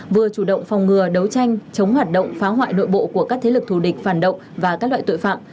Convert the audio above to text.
vừa chủ động phòng ngừa đấu tranh chống hoạt động phá hoại nội bộ của các thế lực thù địch phản động và các loại tội phạm